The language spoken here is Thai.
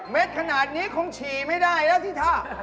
ขนาดนี้คงฉี่ไม่ได้แล้วสิทธา